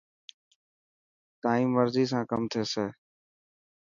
تيان مرضي سان ڪم ٿيسي.